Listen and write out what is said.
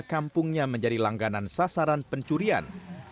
kampungnya menjadi langganan sasaran pencurian